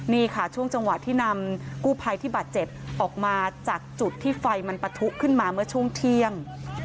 นี่ค่ะช่วงจังหวะที่นำกู้ภัยที่บาดเจ็บออกมาจากจุดที่ไฟมันปะทุขึ้นมาเมื่อช่วงเที่ยง